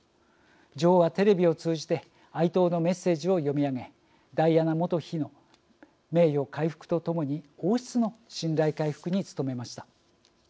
女王はテレビを通じて哀悼のメッセージを読み上げダイアナ元妃の名誉回復とともに王室の信頼回復に努めました。